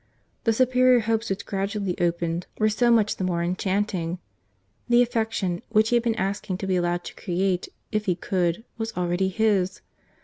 —The superior hopes which gradually opened were so much the more enchanting.—The affection, which he had been asking to be allowed to create, if he could, was already his!